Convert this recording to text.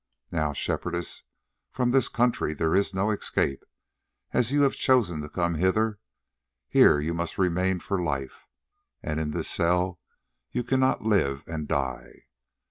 Now, Shepherdess, from this country there is no escape; as you have chosen to come hither, here you must remain for life, and in this cell you cannot live and die.